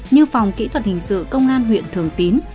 như phòng kỹ thuật hình sự công an huyện thường tín